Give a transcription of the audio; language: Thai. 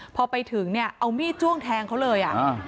พอไปถึงเนี่ยเอามีดจ้วงแทงเขาเลย